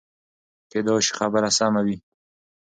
کېدای شي خبره سمه وي.